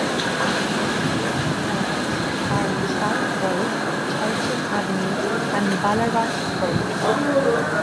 The strip malls are on South Road, Churchill Avenue and Ballarat Road.